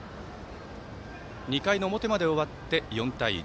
２回の表まで終わって４対１。